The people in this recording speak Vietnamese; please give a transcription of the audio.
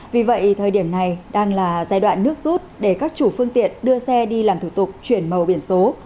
vì vậy thời điểm này đang là giai đoạn nước rút để các chủ phương tiện đưa xe đi làm thủ tục chuyển màu biển số